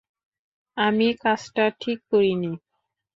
আমি কাজটা ঠিক করিনি।